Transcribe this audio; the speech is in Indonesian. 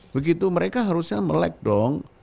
begitu mereka harusnya melek dong